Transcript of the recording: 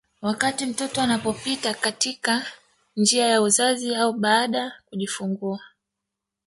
Wakati mtoto anapopita katika njia ya uzazi au baada kujifungua